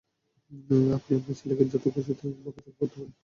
আপনি আপনার ছেলেকে যত খুশি বকাঝকা করতে পারেন।